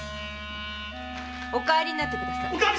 お帰りになってください。